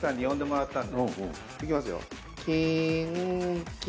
いきますよ。